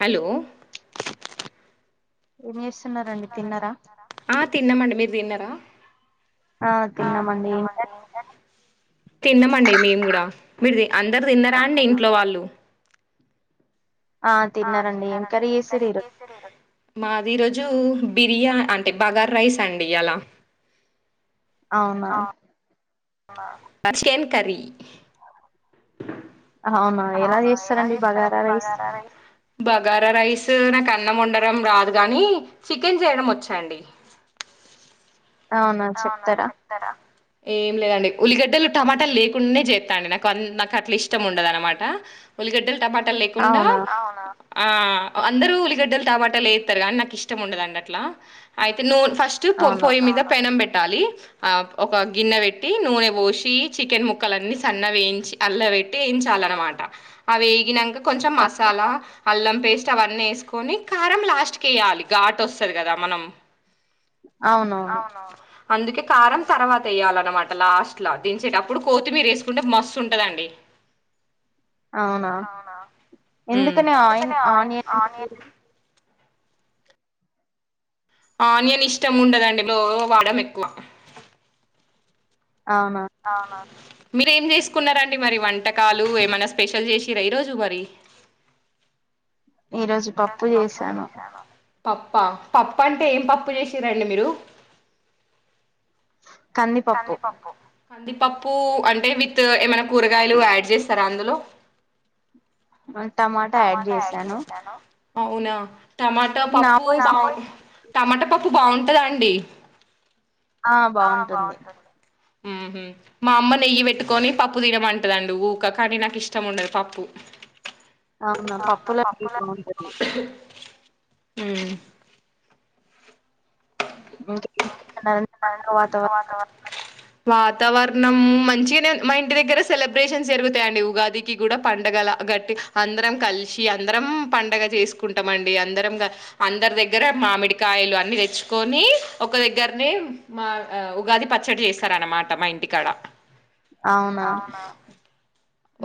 Hello Vinesh ఆ తిన్నమండి మీరు తిన్నారా ఆ తిన్నామండి తిన్నమండి మేము కూడా మీర్ తి అందరు తిన్నరా అండి ఇంట్లో వాళ్ళు మాది ఈ రోజు బిర్యా అంటే బగార్ రైస్ అండి ఇయాలా అవునా పర్షేన్ కర్రీ బగారా రైస్ నాక అన్నం వండడం రాదు గానీ చికెన్ జేయడం వచ్చండి అవునా చెప్తరా ఏ లేదండి ఉల్లిగడ్డలు టమాటలు లేకుంనే జేతండి నాకు నాకు అట్లా ఇష్టం ఉండదనమాట ఉల్లిగడ్డలు టమా టలు లేకుండా ఆ అందరూ ఉల్లిగడ్డలు టమాటలు లేతరుగా కనీ నాకు ఇష్టం ఉండదండి అట్లా అయితే నూ ఫస్ట్ పో పోయి మీద పెనం బెట్ ట్టాలి ఆ ఒక గిన్నె వె ట్టి నూనె పోసి చికెన్ ముక్కలన్నీ సన్న వేయించి అల్ల వెట్టి ఎయించాలన్ననమాట ఆ వేగినంక కొంచం మసాలా అల్లం పేస్ట్ అవన్నీ ఏసుకొని కారం లాస్ట్ కి ఏయాలి ఘాట్ ఒస్తది కదా మనం అవునువును అందుకే కారం తర్వాత ఏయ్యాలన్నమా లాస్ట్ లా దించేటప్పుడు కొత్తిమీరెస్కుంటే మస్తు ఉంటదండి అవునా ఎందుకని ఆయిన్ ఆనియన్స్ ఆనియన్ ఇష్టం ఉండదండి లో వాడం ఎక్కువ అవునా మీరెం జేసుకున్నరండి మరి వంటకాలు ఏమైనా స్పెషల్ చేసిరా ఈరోజు మరి ఈరోజు పప్పు జేసాను పప్ప పప్ప అంటే ఏం పప్పు జేషిరండి మీరు కంది పప్పు కందిపప్పు అంటే విత్ ఏమైనా కూరగాయలు యాడ్ జేస్తరా అందులో టమాటా యాడ్ చేసాను. అవునా టమాటో పప్పు టమాటో పప్పుూ బాగుంటద అండి ఆ బాగుంటుంది ఉ మా అమ్మ నెయ్యి పెట్టుకొని పప్పు తినమంటదండి ఊక కానీ నాకు ఇష్టం ఉండదు పప్పు. అవునా పప్పులా మీకు ఉం ఇంకా ఎలా ఉంది పండగ వాతావరణం వాతావరణం మంచిగానే మా ఇంటి దగ్గర సెలబ్రేషన్స్ జరుగుతాయండి ఉగాదికి కూడా పండగలా గట్టి అందరం కలిసి అందరం పండగ చేసుకుంటామ అండి అందరం అందరి దగ్గర మామిడికాయలు అన్ని తెచ్చుకొని ఒక దగ్గర. నే మా అ ఉగాది పచ్చడి చేస్తార అనమాట మా ఇంటికాడ. అవున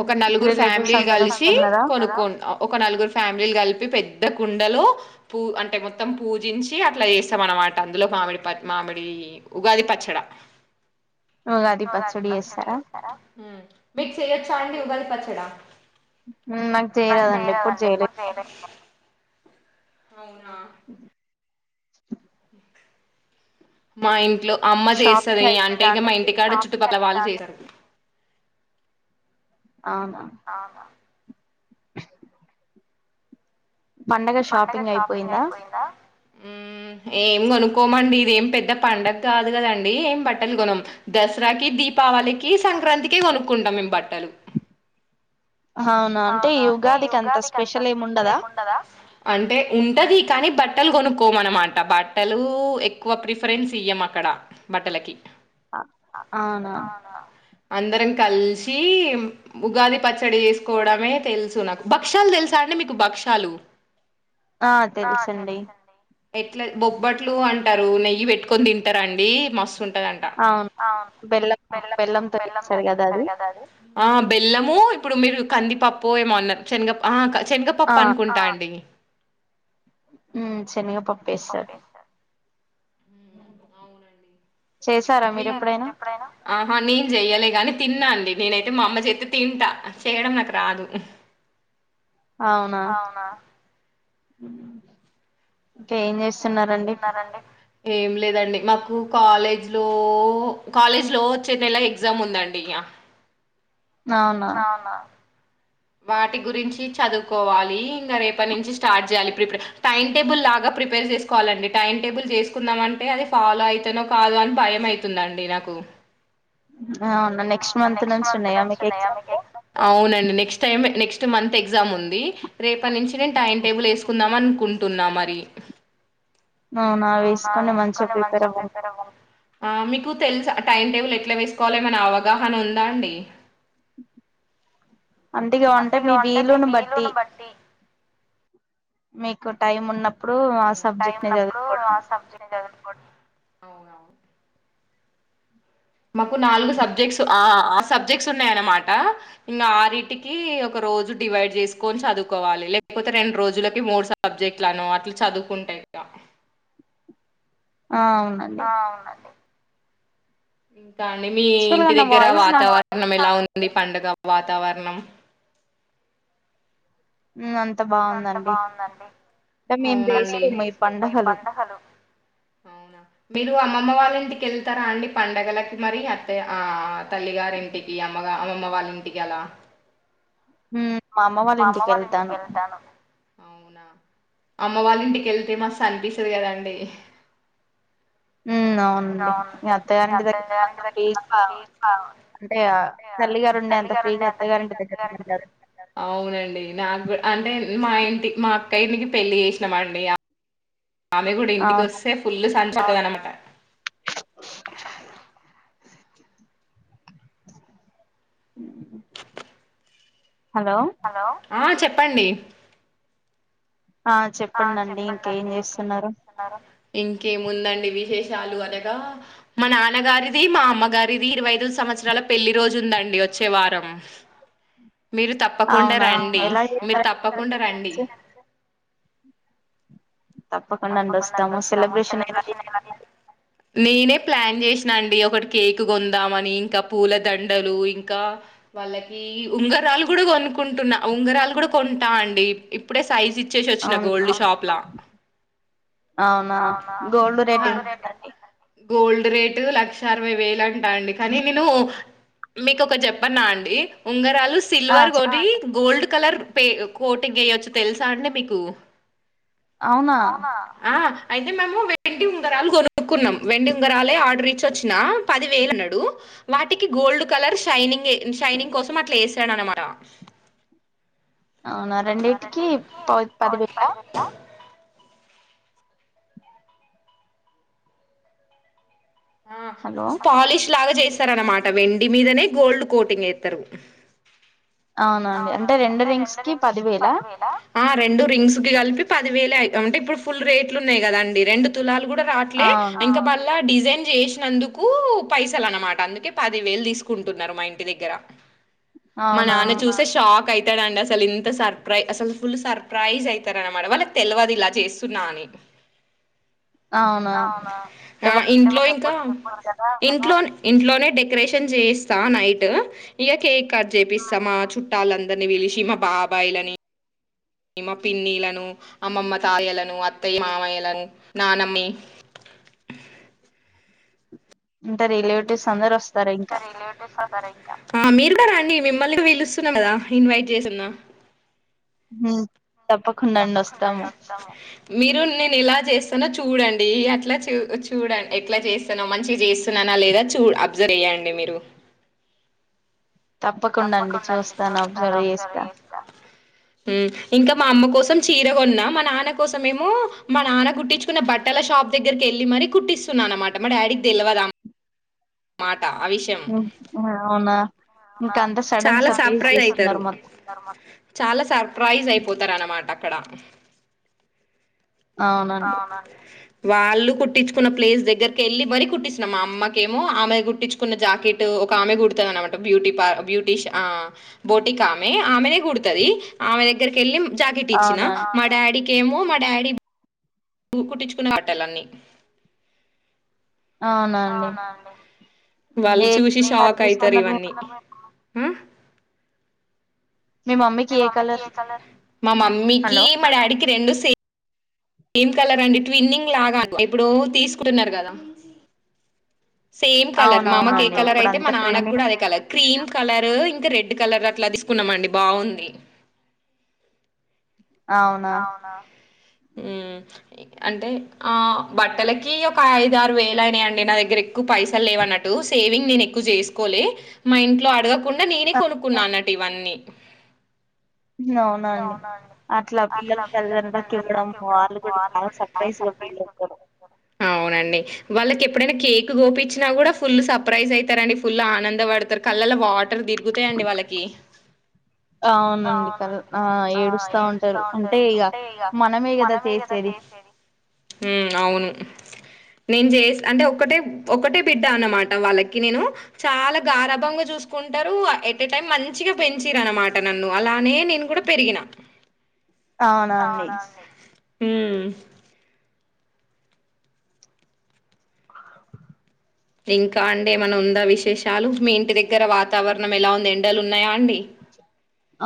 ఒక నలుగురు ఫ్యామిలీలు కలిసి కొనుకుం ఒక నలుగురు ఫ్యామిలీలు కలిపి పె పెద్ద కుండలో పూ అంటే మొత్తం పూజించి, అట్లా చేస్తాం అన్నమాట అందులో మామిడిప మామిడి ఉగాది పచ్చడా ఉగాది పచ్చడి చేస్తారా మిక్ చేయొచ్చా అండి ఉగాది పచ్చడ నాకు చేయరాదండి ఎప్పుడు చేయలే [unintelligible] అవునా [unintelligible] మా ఇంట్లో అమ్మ చేస్తది అంటే ఇంగ మా ఇంటికాడ చుట్టుపల వాళ్ళు చే [unintelligible] ఆహా పండగ షాపింగ్ అయిపోయింద ఎం కొనుక్కోమండి. ఇదెం పెద్ద పండక్క కాదుగదండి, ఏం బట్టలు గొనం దసరాకి, దీపావళికి, సంక్రాంతికి, కొనుక్కుంటాం. మేం బట్టలు. అంటే ఉంటది కానీ బట్ బట్టలు కొనుక్కోమనమాట బట్టలు ఎక్కువ ప్రిఫరెన్స్ ఇయ్యం, అక్కడ బట్టలకి. ఆ ఆహా అందరం కల్సి ఉగాది పచ్చడి చేస్ కోవడమే తెల్సు నాకు భక్షాలు తెలుసా అండి మీకు భక్షాలు. ఆ తెలుసండి ఎట్ల బొబ్బట్లు అంటారు. నెయ్యి పెట్టుకొని తింటారండి మస్ అవును బెల్లం [unintelligible] బెల్లంతో చేస్తారు గదా అది బెల్లము ఇప్పుడు మీరు కందిపప్పొ ఎమో అన్నది సెనగ ఆహా శనగపప్ప అనుకుంటా అండి ఉ శనగపప్ పేసర్ అ ఆహా నేను చెయ్యాలే గానీ తిన్నా అండి నేనైతే మా అమ్మ చేతే తింటా చేయడం నాకు రాదు అవునా ఉ ఇంకేం చేస్తున్నారండి ఏం లేదండి. మాకు కాలేజ్ లో కాలేజ్ లో వచ్చే నెల ఎగ్జామ్ ఉందండి. ఇయ అవునా వాటి గురించి చదువుకోవాలి ఇంకా రేపటి నుంచి స్టార్ట్ చేయాలి ప్రిపేర్ టైమ్ టేబుల్ లాగా ప్రిపేర్ చేసుకోవాలండి టైమ్ టేబుల్ చేసుకుందామ అంటే అది ఫాలో అయితనో కాదు అని భయం అవుతుందండి నాకు అవునండి next time next month exam ఉంది రేపటి నుంచి నేను టైమ్ టేబుల్ వేసుకుందాం అనుకుంటున్నా మరి అవున వేసుకొని మంచిగా ప్రిపేర్ అవ్వండి ఆ మీకు తెలుసా టైమ్ టేబుల్ ఎట్లా వేసుకోవాలిమని అవగాహన ఉందా అండి అంటే ఇగ ఉంటే మీ వీలును బట్టి మీకు టైం ఉన్నప్పుడు [unintelligible] అవున మాకు నాలుగు సబ్జెక్ట్స్ ఆ ఆ సబ్జెక్ట్స్ ఉన్నాయ అన్నమాట ఇంకా ఆ రటికి ఒక రోజు డివైడ్ చేసుకొని చదువుకోవాలి లేకపోతే రెండు రోజులకి మూడు సబ్జెక్ట్లను అట్లా చదువుకుంటా ఇ ఆ అవునండి ఇ కా మీ ఇంటి దగ్గర వాతావరణం ఎలా ఉంది అండి పండుగ వాతావరణం ఉ అంత మీరు అమ్మమ్మ వాళ్ళింటికి వెళ్తారా అండి పండడుగలకి మరి అత్త తల్లిగారింటికి అమ్మగ అమ్మమ్మ వాళ్ళ ఇంటికి అలా హ మా అమ్మ వాళ్ళ ఇంటికి వెళ్తాను అవునా అమ్మ వాళ్ళ ఇంటికి వెళ్తే మస్తు అనిపిస్తుంది కదండి అవునండి అత్తయ్య గారి ఇంటి దగ్గర తల్లిగారూ ఉండే అంత ఫీ గా అత్తగారి ఇంటి దగ్గరా [inaudible] పెళ్లి చేసినం అండి ఆమె గుడ ఇంటికి వస్తే ఫుల్ సన్ చాలానమాట మ్మ్ హలో ఆ చెప్ప ప్పండి ఆ చెప్పండి అండి ఇంక ఏం చేస్తున్నారు ఇంకేముందండి విశేషాలు అనగా మా నాన్నగారిది మా అమ్మగారిది ఇరవై దు సంవత్సరాల పెళ్లి రోజు ఉందండి వచ్చే వారం మీరు తప్పకుండ రండి హ్ మీరు తప్పకుండా రండి నేనే ప్లాన్ చేసిన అండి ఒకటి కేక్ కొందామని ఇంక పూలదండలు ఇంకా వాళ్ళకి ఉంగరాలు కూడా కొనుకుంటున్నా ఉంగరాలు కూడా కొంటా అండి ఇప్పుడే సైజ్ ఇచ్ చేసాచ్చిన గోల్డ్ షాప్ల అ అవునా గోల్డ్ రేట్ ఎంతుందండి గోల్డ్ రేటు లక్ష అరవై వేల అంట్ టా అండి కానీ నేను మీకు ఒకట్ చెప్పన్నా అండి ఉంగర్ వాళ్ళు సిల్వర్ వొ టీ గోల్డ్ కలర్ పే కోట్ పెగ్ ఎయ్యొచ్చు తెలుసా అండి మీకు ఊ అవునా ఆ అయితే మేము వెండి ఉంగరాలు కొనుక్కున్నాం వెండి ఉంగరాలే ఆర్డర్ ఇచ్ వచ్చిన ఆ పది వేలన్నడు వాటికి గోల్డ్ కలర్ షైనింగ్ ఎ షైనింగ్ కోసం అట్లా ఎసానన మాట అవునా రెండిటికి ఇ ప పదివేళ మ్మ్ పాలిష్ లాగా జేస్ స్తరనమాట వెండి మీదనే గోల్డ్ కోటింగ్ ఎత్తరు అవునండి అంటే రెండు రింగ్స్ కి పదివేలా ఆ రెండు రింగ్స్ కి కలిపి పది వేలే అయ్ అంటే ఇప్పుడు ఫుల్ రేట్లు ఉన్నాయి గదాండి రెండు తులాలు గుడ్ రావట్లే హా ఇంక మళ్ళ డిజైన్ చేసినందుకూ పైసలు అనమాట అందుకే పది వేలు తీసుకుంటున్నారు మా ఇంటి దగ్గర అవునా అండి షాక్ అయితడండి అసలు ఇంత సర్ప్రైజ్ అసలు ఫుల్ సర్ప్రైజ్ అయితడనమాట వాళ్ళకి తేల్వద్ ఇలా చేస్తున్నా అని అవునా ఆ ఇంట్లో ఇంకా అ ఇంట్లో నే ఇంట్లోనే డెకరేషన్ చేయిస్తా నైట్ ఇగ కేక్ కట్ చేపిస్తా మా చు చుట్టాల అందరినీ పలిషి మా బాబాయిలని మా పిన్నిలను అమ్మమ్మ తాయలను అత్తయ్య మామయ్యలను నానమ్నీ ఇంత రిలేటివ్స్ అందరు వస్ అంత రిలేటివ్స్ ఒకరే ఉమ్ మీరుగూడ రండి మిమ్మల్నిగా విలుస్తున్నా కదా ఇన్వైట్ చేసున్నా ఉమ్ తప్పకుండాండి వస్తాము మీరు నేను ఎలా చేస్తానో చూడండి అట్లా చూ చూడం ఎట్లా చేస్తానో మంచి చేస్తున్నానా లేదా చూ అబ్జర్వ్ చేయ్యండి మీరు తప్పకుండా అండి చూస్తాను అబ్జర్వ్ చేస్తా ఉమ్ ఇంకా మా అమ్మ కోసం చీర కొన్న మా నాన్న కోసమేమో మా నాన్న కుట్టించుకున్న బట్టల షాప్ దగ్గరకి వెళ్ళి మరీ కుట్టిస్తున్నా అనమాట మా డాడీకి తెలివదా ఆ మా ఆ విషం చాలా సర్ప్రైజ్ అయితారు చాలా సర్ప్రైజ్ అయిపోతారు అనమాట అక్కడ అవునా వాళ్ళు కుట్టించుకున్న ప్లేస్ దగ్గరకి వెళ్ళలి మరీ కుట్టిచ్చిన మా అమ్మకే ఆమె కుట్టించుకున్న జాకెట్ ఒక ఆమె కుడుతది అన్నమాట బ్యూటీ పార్ల బ్యూటిషన్ బోటిక్ ఆమె ఆమెనే కుడుతుది ఆమె దగ్గరక వెళ్ళి జాకెట్ ఇచ్చిన మా డాడీకి ఏమో మా డాడీ కుట్టించుకునే బట్టలన్నీ అవునా అండి వాళ్ళు చూసి షాక్ అయితారు ఇవన్నీ మీ మమ్మీకి ఏ కలర్ మా మమ్మీకి మా డాడీకి రెండు సె తి ఏమ్ కలర్ అండి ట్విన్నింగ్ లాగా అ ఇప్పుడ తీసుకుంటున్నారు కదా సేమ్ కలర్ మా అమ్మకు ఏ కలర్ అయితే మా నాన్నకు కూడా అదే కలర్ క్రీమ్ కలర్ రు ఇంకా రెడ్ కలర్ అట్లా తీసుకున్నామండి బాగుంది అవునా హు అంటే ఆ బట్టలకి ఒక ఐదు ఆరు వేల అయినాయండి నా దగ్గర ఎక్కువ పైసలు లేవన్నట్టు సేవింగ్ నేను ఎక్కువ చేసుకోలే మా ఇంట్లో అడగ కుండా నేనే కొనుకున్నా అన్నట్టు ఇవన్నీ అవునండి అట్లా పిల్లలు తల్లిదండ్రులకు ఇవ్వడం వాళ్లు కూడా చాలా సర్ప్రైజ్ గా ఫీల్ అయితరు అవునండి వాళ్ళకి ఎప్పుడైనా కేక్ కోపిచ్చినా కూడా ఫుల్ సర్ప్రైజ్ అవుతారండి ఫుల్ ఆనంద పడతారు కళ్ళలో వాటర్ తిరుగుతాయిడి వాళ్ళకి అవునండి క ఆ ఏడుస్తా ఉంటారు అంటే ఇక మనమే కదా చేసేది హు అవును నేను చే అంటే ఒకటే ఒకటే బిడ్డ అన్నమాట నేను వాళ్ళకి నేను చాలా గారభంగా చూసుకుంటారు ఎట్ టైం మంచిగా పెంచిరు అన్నమాట నన్ను అలానే నేను పెరిగిన అవునా అండి హు ఇంకా అండి ఏమన్నా ఉందా విశేషాలు మీ ఇంటి దగ్గర వాతావరణం ఎలా ఉంది ఎండలు ఉన్నాయా అండి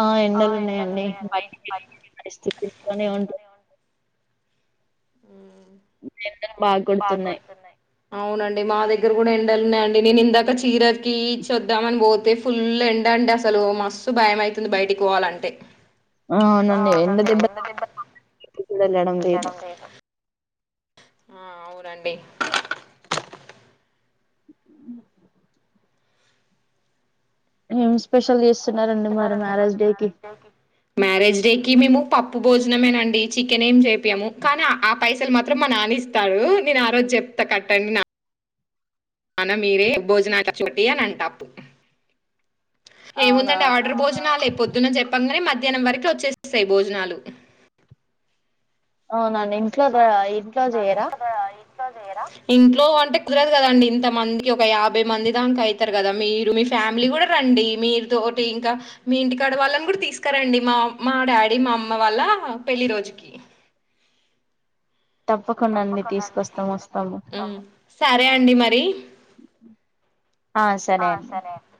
ఆ ఎండలు ఉన్నాయండి బయటికి వెళ్తే పరిస్థితి ఇంట్లోనే ఉంట వే ఎండలు బాగా కొడుతున్నాయి అవునండి మా దగ్గర కూడా ఎండలు ఉన్నాయండి నేను ఇందాక చీరకి ఇచ్చివద్దామని పోతే ఫుల్ ఎండ అండి అసలు మాసు భయం అవుతుంది బయటికి పోవాలంటే ఆ అవునండి ఎండ దెబ్బకు [inaudible] వెళ్లడం లేదు ఆ అవునండి ఏం స్పెషల్ చేస్తున్నారండి మరి మ్యారేజ్ డేకి మ్యారేజ్ డేకి మేము పప్పు భోజనమేనండి చికెన్ ఏం చేపము కానీ ఆ పైసలు మాత్రం మా నాన్న ఇస్తాడు నేను ఆ రోజు చెప్తా కట్టండి నా నాన్న మీరే భోజనాల ఖర్చు పెట్టి అని అంట అప్పు ఏముందండి ఆర్డర్ భోజనాలుే పొద్దునని చెప్పాంగానే మధ్య మధ్యాహ్నం వరకు వచ్చేసేస్తాయి భోజనాలు అవునం ఇంట్లో ఇంట్లో చేయరా ఇంట్లో అంటే కుదరదు కదండి ఇంతమందికి ఒక యాభై మంది దంకా అయితారు కదా మీరు మీ ఫ్యామిలీ కూడా రండి మీరు తోటి ఇంకా మీ ఇంటికాడ వాళ్ళని కూడా తీసుకు రండి మా మా డాడీ మా అమ్మ వాళ్ళ పెళ్లి రోజుకి తప్పకుండా అన్ని తీసుకొస్తాం వస్తాము సరే అండి మరి ఆ సరే అండి